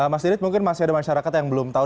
mas didit mungkin masih ada masyarakat yang belum tahu